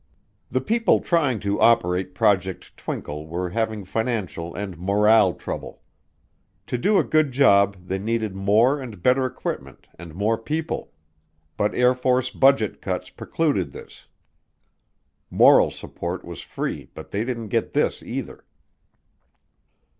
The people trying to operate Project Twinkle were having financial and morale trouble. To do a good job they needed more and better equipment and more people, but Air Force budget cuts precluded this. Moral support was free but they didn't get this either.